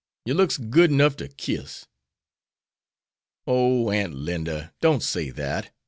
Yer looks good 'nuff ter kiss." "Oh, Aunt Linda, don't say that.